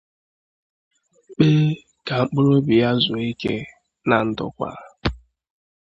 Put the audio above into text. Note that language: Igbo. kpee ka mkpụrụ obi ya zuo ike na ndokwa